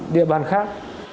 địa bàn khác